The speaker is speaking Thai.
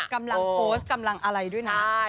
กำลังโพสต์กำลังอะไรด้วยนะ